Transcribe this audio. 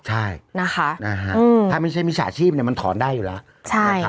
ใช่ถ้ามันไม่ใช่มิจฉาชีพเนี่ยมันถอนได้อยู่แล้ว